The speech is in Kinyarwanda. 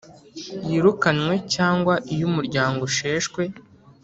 yirukanywe cyangwa iyo umuryango usheshwe